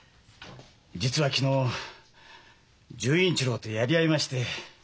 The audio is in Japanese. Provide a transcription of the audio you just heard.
実は昨日純一郎とやり合いまして。